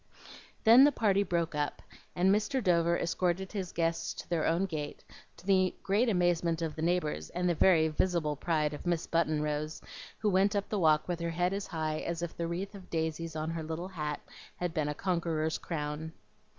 Then the party broke up, and Mr. Dover escorted his guests to their own gate, to the great amazement of the neighbors and the very visible pride of Miss Button Rose, who went up the walk with her head as high as if the wreath of daisies on her little hat had been a conqueror's crown.